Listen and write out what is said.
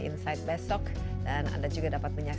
terima kasih banyak